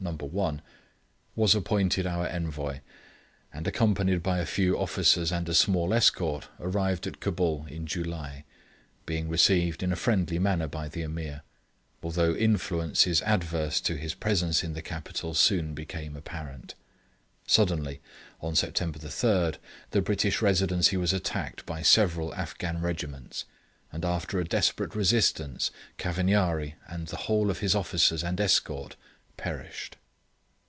1.] was appointed our Envoy, and accompanied by a few officers and a small escort, arrived at Cabul in July, being received in a friendly manner by the Ameer; although influences adverse to his presence in the capital soon became apparent. Suddenly, on September 3, the British Residency was attacked by several Afghan regiments, and after a desperate resistance, Cavagnari and the whole of his officers and escort perished.